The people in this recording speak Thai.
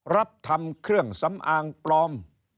รับทำเครื่องสำอางปลอม